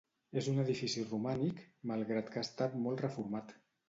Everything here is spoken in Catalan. És un edifici romànic, malgrat que ha estat molt reformat.